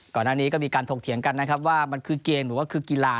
ก่อนหน้านี้ก็มีการถกเถียงกันนะครับว่ามันคือเกมหรือว่าคือกีฬา